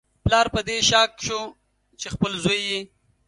پلار په دې شاک شو چې خپل زوی یې